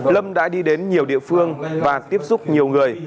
lâm đã đi đến nhiều địa phương và tiếp xúc nhiều người